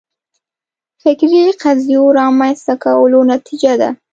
فکري قضیو رامنځته کولو نتیجه ده